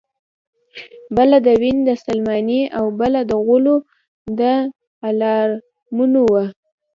بله د وین د سلماني او بله د غلو د الارمونو وه